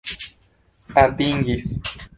atingis